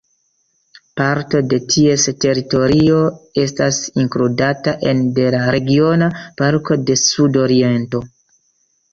Parto de ties teritorio estas inkludata ene de la Regiona Parko de Sudoriento.